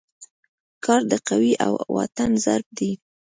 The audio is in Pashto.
کار د قوې او واټن ضرب دی.